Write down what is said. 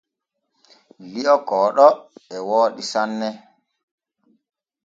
Li’o kooɗo e wooɗi sanne.